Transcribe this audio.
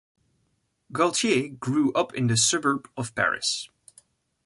Gaultier grew up in the suburb of Paris.